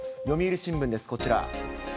読売新聞です、こちら。